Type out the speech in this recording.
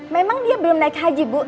memang dia belum naik haji bu